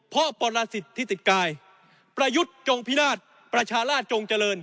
เพราะปรสิทธิ์ที่ติดกายประยุทธ์จงพิราชประชาราชจงเจริญ